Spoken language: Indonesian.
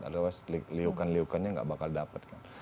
jika tidak liukan liukan tidak akan saya dapatkan